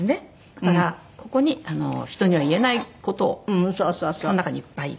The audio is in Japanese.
だからここに人には言えない事をこの中にいっぱい入れて。